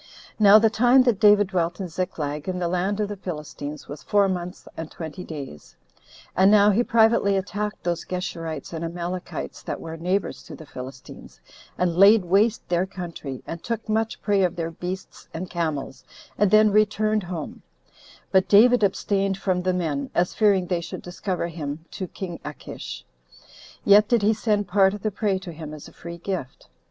Now the time that David dwelt in Ziklag, in the land of the Philistines, was four months and twenty days. And now he privately attacked those Geshurites and Amalekites that were neighbors to the Philistines, and laid waste their country, and took much prey of their beasts and camels, and then returned home; but David abstained from the men, as fearing they should discover him to king Achish; yet did he send part of the prey to him as a free gift.